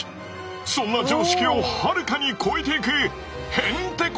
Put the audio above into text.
そんな常識をはるかに超えていくへんてこ